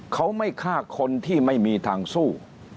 เขาไม่ฆ่าคนที่ไม่มีทางสู้